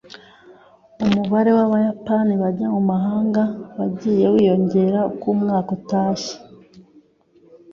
Umubare w'Abayapani bajya mu mahanga wagiye wiyongera uko umwaka utashye.